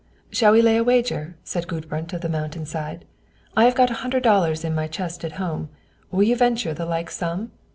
"Shall we lay a wager?" said Gudbrand of the Mountain side. "I have got a hundred dollars in my chest at home; will you venture the like sum?"